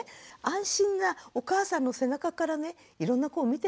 安心なお母さんの背中からねいろんな子を見てるわけですよ。